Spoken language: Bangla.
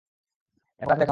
এবং রাতে দেখা হবে।